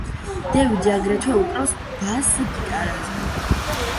დევიდი აგრეთვე უკრავს ბას-გიტარაზე.